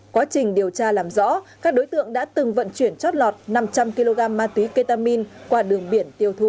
quá trình điều tra làm rõ các đối tượng đã từng vận chuyển chót lọt năm trăm linh kg ma túy ketamin qua đường biển tiêu thụ